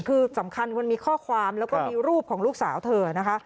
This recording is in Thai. คือสำคัญมันมีข้อความแล้วก็มีรูปของลูกสาวเธอนะคะ